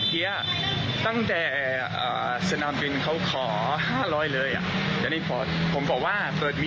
เดี๋ยวแป๊บนึงจะเอากระเป๋านะ